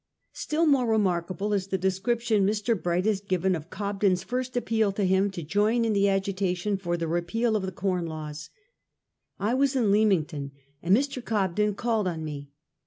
Still more remarkable is the description Mr. Bright has given of Cobden's first appeal to him to join in the agitation for the repeal of the Com Laws :—' I was in Leamington, and Mr. Cobden called on me.